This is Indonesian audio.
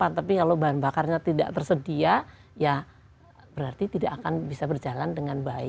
tapi kalau bahan bakarnya tidak tersedia ya berarti tidak akan bisa berjalan dengan baik